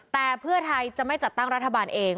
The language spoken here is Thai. แต่เพื่อไทยจะไม่จัดตั้งรัฐบาลเอง